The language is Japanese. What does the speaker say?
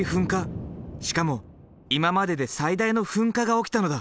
しかも今までで最大の噴火が起きたのだ。